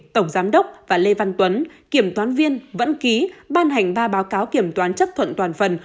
tổng giám đốc và lê văn tuấn kiểm toán viên vẫn ký ban hành ba báo cáo kiểm toán chấp thuận toàn phần